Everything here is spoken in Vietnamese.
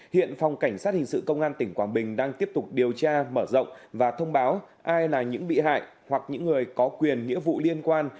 hiện phòng cảnh sát hình sự công an tỉnh quảng bình đang tiếp tục điều tra mở rộng và thông báo ai là những bị hại hoặc những người có quyền nghĩa vụ liên quan